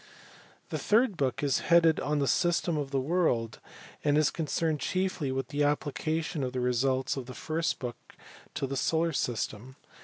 The third book is headed On the system of the world and is concerned chiefly with the application of the results of the first book to the solar system.